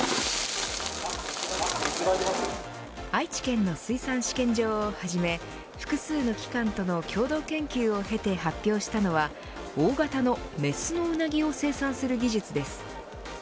愛知県の水産試験場をはじめ複数の機関との共同研究を経てから発表したのは大型の雌のウナギを生産する技術です。